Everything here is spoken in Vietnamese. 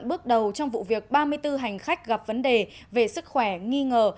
bước đầu trong vụ việc ba mươi bốn hành khách gặp vấn đề về sức khỏe nghi ngờ